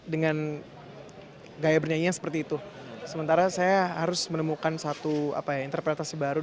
dengan gaya bernyanyinya seperti itu sementara saya harus menemukan satu apa ya interpretasi baru